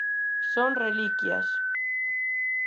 Son reliquias.